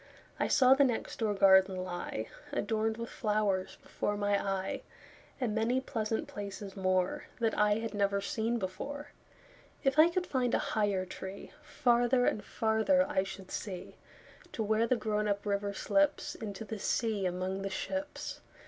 I saw the next door garden lie, Adorned with flowers, before my eye, And many pleasant places moreThat I had never seen before. If I could find a higher treeFarther and farther I should see, To where the grown up river slipsInto the sea among the ships.